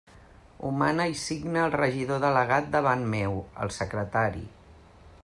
Ho mana i signa el regidor delegat, davant meu, el secretari.